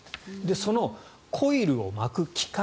そのコイルを巻く機械